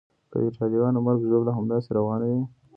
که د ایټالویانو مرګ ژوبله همداسې روانه وي.